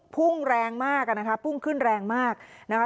พุ่งแรงมากอ่ะนะคะพุ่งขึ้นแรงมากนะคะ